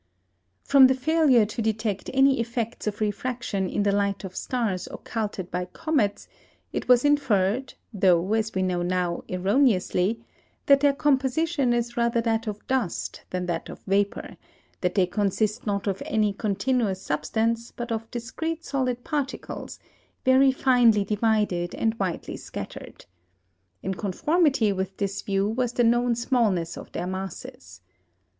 From the failure to detect any effects of refraction in the light of stars occulted by comets, it was inferred (though, as we know now, erroneously) that their composition is rather that of dust than that of vapour; that they consist not of any continuous substance, but of discrete solid particles, very finely divided and widely scattered. In conformity with this view was the known smallness of their masses.